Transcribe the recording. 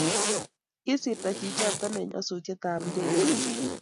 kisirto chichoton en nyasutiet ab ndekeit